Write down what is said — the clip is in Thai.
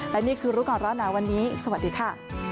และนี่คือรู้ก่อนร้อนหนาวันนี้สวัสดีค่ะ